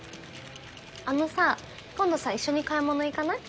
あのさ今度さ一緒に買い物行かない？